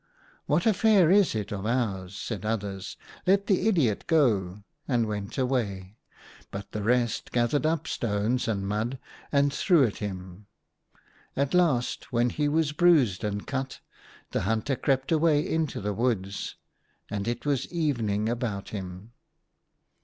" What affair is it of ours ?" said others. "Let the idiot go;" and went away. But the rest gathered up stones and mud and threw at him. At last, when he was bruised and cut, the hunter crept away into the woods. And it was evening about him.